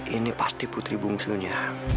ini pasti putri bungsunya